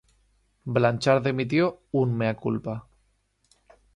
Blanchard emitió "un mea culpa".